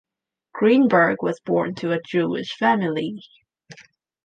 Greenberg was born to a Jewish family.